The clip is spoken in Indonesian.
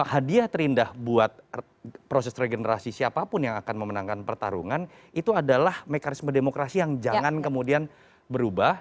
hadiah terindah buat proses regenerasi siapapun yang akan memenangkan pertarungan itu adalah mekanisme demokrasi yang jangan kemudian berubah